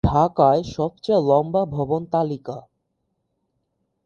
ঢাকায় সবচেয়ে লম্বা ভবন তালিকা